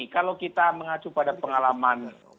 kalau kita mengacu pada pengalaman